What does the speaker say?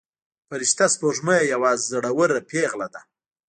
فرشته سپوږمۍ یوه زړوره پيغله ده.